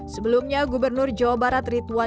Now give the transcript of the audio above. sebelumnya gubernur jawa barat rituan